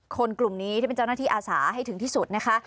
กลุ่มนี้ที่เป็นเจ้าหน้าที่อาสาให้ถึงที่สุดนะคะ